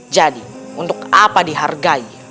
jadi untuk apa dihargai